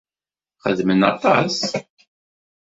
Xeddmen aṭas.